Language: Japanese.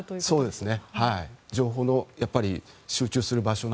そうですね。